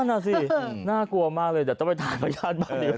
นั่นแหละสิน่ากลัวมากเลยแต่ต้องไปถ่ายพญาติบ้านหนึ่ง